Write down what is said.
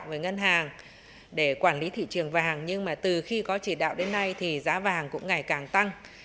với ngân hàng để quản lý thị trường vàng nhưng mà từ khi có chỉ đạo đến nay thì giá vàng cũng ngày càng tăng